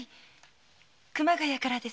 熊谷からです。